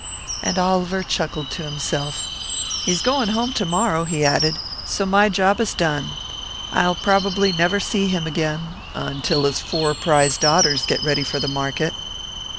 And Oliver chuckled to himself. "He's going home to morrow," he added. "So my job is done. I'll probably never see him again until his four prize daughters get ready for the market!"